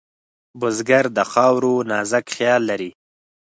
بزګر د خاورو نازک خیال لري